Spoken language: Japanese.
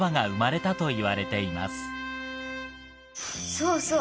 そうそう